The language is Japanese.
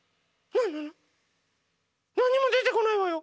なにもでてこないわよ